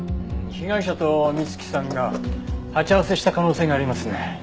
被害者と美月さんが鉢合わせした可能性がありますね。